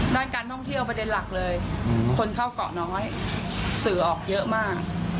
ด้านการท่องเที่ยวประเด็นหลักเลยคนเข้าเกาะน้อยสื่อออกเยอะมาก